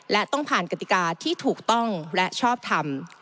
และต้องผ่านกติกาที่ถูกต้องและชอบทำ